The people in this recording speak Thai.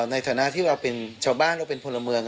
ในฐานะที่เราเป็นชาวบ้านเราเป็นพลเมือง